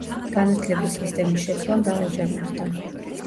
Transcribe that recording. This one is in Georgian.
განათლების სისტემის შეცვლა მრავალჯერ მოხდა.